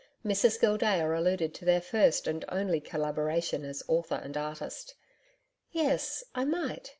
Mrs Gildea alluded to their first and only collaboration as author and artist. 'Yes, I might.